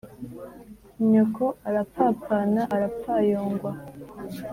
( nyoko ) arapfapfana ara pfayongwa :